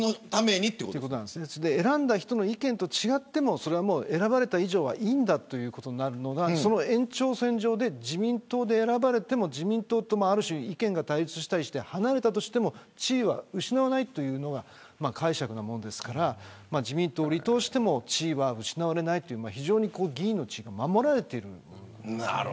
選んだ人の意見と違っても選ばれた以上はいいんだということになるのがその延長線上で自民党で選ばれても自民党と、ある種意見が対立して離れたとしても地位は失わないというのが解釈なものですから自民党を離党しても地位は失われないというのが非常に議員の地位が守られている。